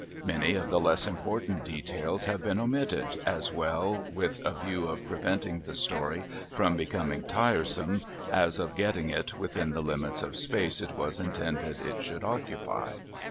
Many of the less important details have been omitted, as well with a view of preventing the story from becoming tiresome as of getting it within the limits of space it was intended it should occupy.